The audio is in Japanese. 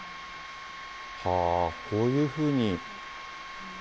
こういうふうに。